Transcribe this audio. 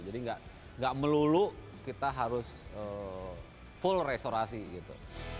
jadi gak melulu kita harus full restorasi gitu